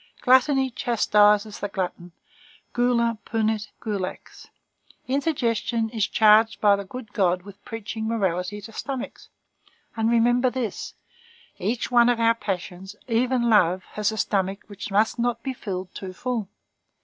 Gluttony chastises the glutton, Gula punit Gulax. Indigestion is charged by the good God with preaching morality to stomachs. And remember this: each one of our passions, even love, has a stomach which must not be filled too full.